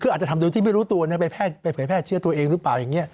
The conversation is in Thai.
คืออาจจะทำโดยที่ไม่รู้ตัวไปเผยแพร่เชื้อตัวเองหรือเปล่าอย่างนี้